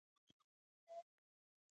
ځوانان د آزادۍ لپاره زړه ور دي.